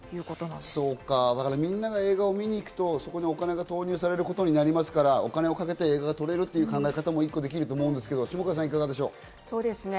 みんなが映画を見に行くと、そこにお金が投入されることになりますから、お金をかけて映画が撮れる考え方もできると思いますが、いかがでしょう。